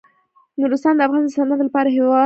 نورستان د افغانستان د صنعت لپاره مواد برابروي.